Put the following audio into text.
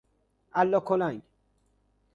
الا کلنگ